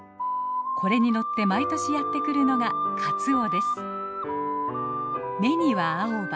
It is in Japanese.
これに乗って毎年やって来るのが鰹です。